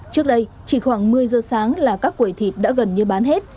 trước đây chỉ khoảng một mươi giờ sáng là các quầy thịt đã gần như bán hết